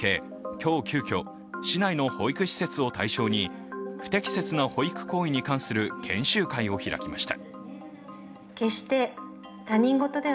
今日急きょ市内の保育施設を対象に不適切な保育行為に関する研修会を開きました。